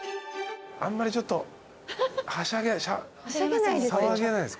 あんまりちょっとはしゃげ騒げないです。